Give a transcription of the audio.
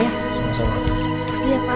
nenek askaran juga disini pak